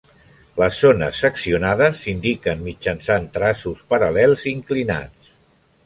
Les zones seccionades s'indiquen mitjançant traços paral·lels inclinats.